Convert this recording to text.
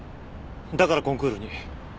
だからコンクールに。